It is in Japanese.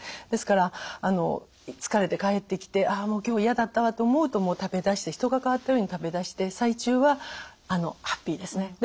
ですから疲れて帰ってきてああもう今日嫌だったわと思うともう食べだして人が変わったように食べだして最中はハッピーですね。